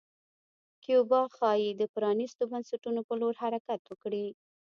کیوبا ښايي د پرانیستو بنسټونو په لور حرکت وکړي.